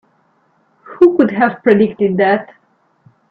Who could have predicted that?